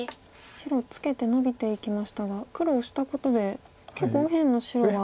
白ツケてノビていきましたが黒オシたことで結構右辺の白は。